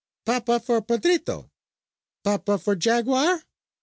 Papa for Pedrito! Papa for jaguar?